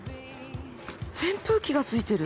扇風機が付いてる。